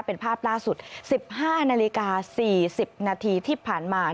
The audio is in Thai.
เป็นภาพล่าสุด๑๕นาฬิกา๔๐นาทีที่ผ่านมา